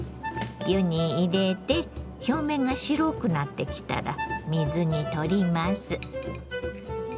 湯に入れて表面が白くなってきたら水にとります。